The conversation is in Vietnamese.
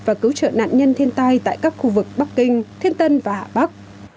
và cứu trợ nạn nhân thiên tai tại các khu vực bắc kinh thiên tân và hạ bắc